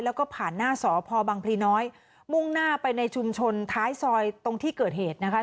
แล้วก็ผ่านหน้าสพบังพลีน้อยมุ่งหน้าไปในชุมชนท้ายซอยตรงที่เกิดเหตุนะคะ